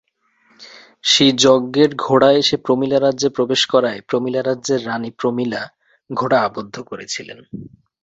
সেই যজ্ঞের ঘোড়া এসে প্রমীলা রাজ্যে প্রবেশ করায়, প্রমীলা রাজ্যের রানী প্রমীলা ঘোড়া আবদ্ধ করেছিলেন।